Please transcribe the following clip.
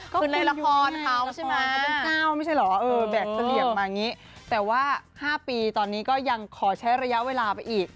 ก็คือในละครเขาใช่ไหมแต่ว่า๕ปีตอนนี้ก็ยังขอใช้ระยะเวลาไปอีก